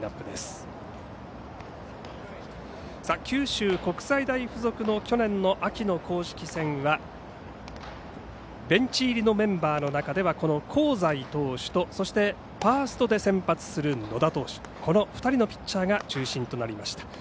九州国際大付属の去年秋の公式戦はベンチ入りのメンバーの中ではこの香西投手とファーストで先発する野田投手の２人のピッチャーが中心となりました。